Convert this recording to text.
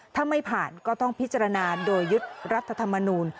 ถ้าไม่ผ่านก็ต้องพิจารณาโดยยึดรัฐธรรมนูล